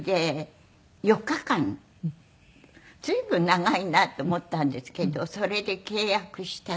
随分長いなと思ったんですけどそれで契約したの。